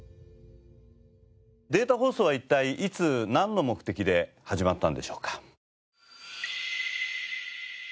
データ放送は一体いつなんの目的で始まったんでしょうか？